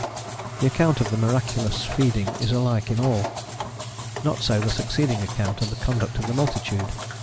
The account of the miraculous, feeding is alike in all: not so the succeeding account of the conduct of the multitude.